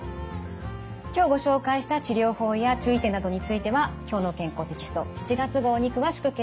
今日ご紹介した治療法や注意点などについては「きょうの健康」テキスト７月号に詳しく掲載されています。